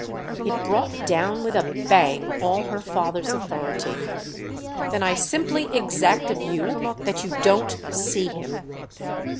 It brought down with a bang all her father's authority. "Then I simply exact of you that you don't see him."